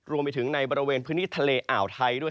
รวมไปถึงในบริเวณพื้นที่ทะเลอ่าวไทยด้วย